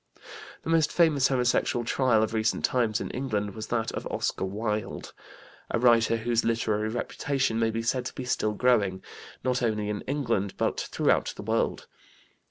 The most famous homosexual trial of recent times in England was that of Oscar Wilde, a writer whose literary reputation may be said to be still growing, not only in England but throughout the world.